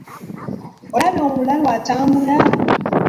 Olabye omulalu atambula?